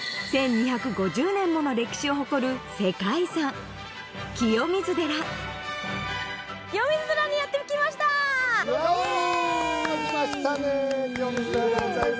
１２５０年もの歴史を誇る世界遺産清水寺にやってきましたイエイ！